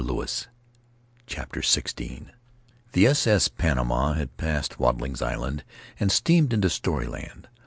CHAPTER XVI he S.S. Panama had passed Watling's Island and steamed into story land.